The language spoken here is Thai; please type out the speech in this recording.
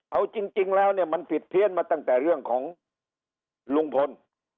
เอาจริงแล้วเนี่ยมันผิดเพี้ยนมาตั้งแต่เรื่องของลุงพล